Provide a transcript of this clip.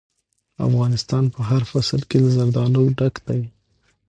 افغانستان په هر فصل کې له زردالو ډک دی.